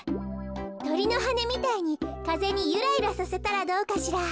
とりのはねみたいにかぜにゆらゆらさせたらどうかしら？